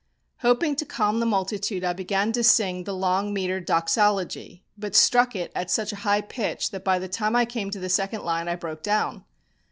Hoping to calm the multitude I began to sing the long meter doxology, but struck it at such a high pitch that by the time I came to the second line I broke down.